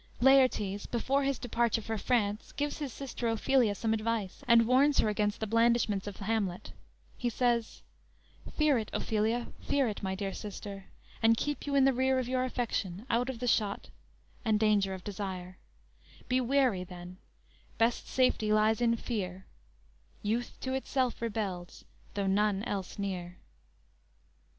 "_ Laertes before his departure for France gives his sister Ophelia some advice and warns her against the blandishments of Hamlet. He says: _"Fear it, Ophelia, fear it, my dear sister, And keep you in the rear of your affection, Out of the shot and danger of desire; Be wary then; best safety lies in fear, Youth to itself rebels, though none else near."